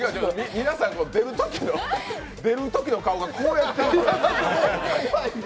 皆さん出るときの顔がこうやって。